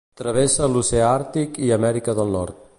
Travessa l'Oceà Àrtic i Amèrica del Nord.